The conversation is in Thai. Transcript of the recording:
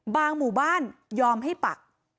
หมู่บ้านยอมให้ปัก